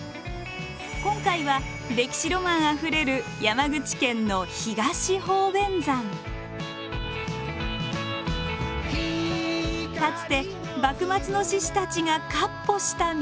今回は歴史ロマンあふれる山口県のかつて幕末の志士たちが闊歩した道。